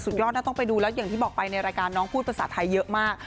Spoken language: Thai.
ยอดนะต้องไปดูแล้วอย่างที่บอกไปในรายการน้องพูดภาษาไทยเยอะมาก